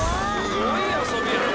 すごい遊びやな。